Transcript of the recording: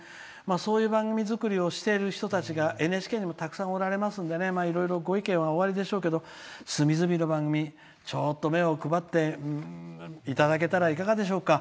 そういう番組作りをしている人たちがＮＨＫにもたくさんおられますけれどいろいろご意見ありますけど隅々の番組ちょっと目を配っていただけたらいかがでしょうか。